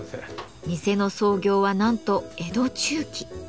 店の創業はなんと江戸中期。